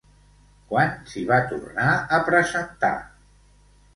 Quan s'hi va tornar a presentar?